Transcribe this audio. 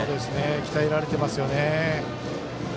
鍛えられてますよね。